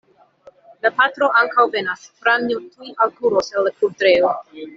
La patro ankaŭ venas, Franjo tuj alkuros el la kudrejo.